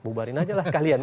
bubarin aja lah sekalian